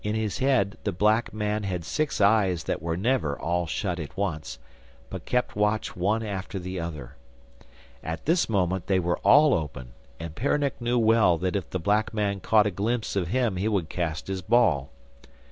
In his head the black man had six eyes that were never all shut at once, but kept watch one after the other. At this moment they were all open, and Peronnik knew well that if the black man caught a glimpse of him he would cast his ball.